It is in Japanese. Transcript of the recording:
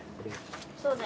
そうだよ。